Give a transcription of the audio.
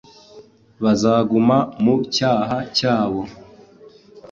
bazaguma mu cyaha cyabo